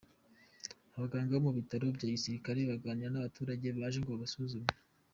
Abaganga bo mu bitaro bya Gisirikare baganira n’abaturage baje ngo babasuzume.